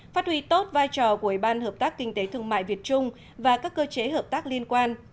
phát huy tốt vai trò của ủy ban hợp tác kinh tế thương mại việt trung và các cơ chế hợp tác liên quan